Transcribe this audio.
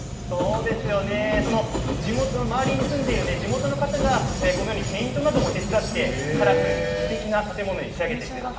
周りに住んでいる地元の方がこのようにペイントなども手伝ってカラフルにすてきな建物に仕上げてくれました。